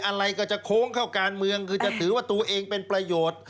อะไรก็จะโค้งเข้าการเมืองคือจะถือว่าตัวเองเป็นประโยชน์